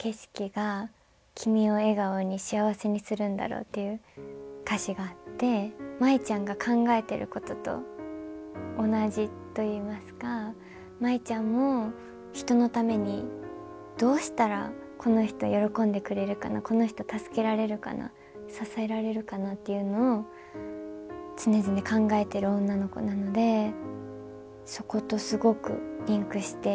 っていう歌詞があって舞ちゃんが考えてることと同じといいますか舞ちゃんも人のためにどうしたらこの人喜んでくれるかなこの人助けられるかな支えられるかなっていうのを常々考えてる女の子なのでそことすごくリンクして。